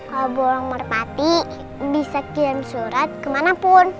kalo burung merpati bisa kirim surat kemanapun